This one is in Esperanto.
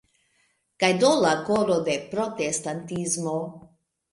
Kaj do la koro de protestantismo.